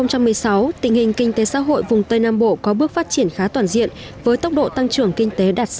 năm hai nghìn một mươi sáu tình hình kinh tế xã hội vùng tây nam bộ có bước phát triển khá toàn diện với tốc độ tăng trưởng kinh tế đạt sáu mươi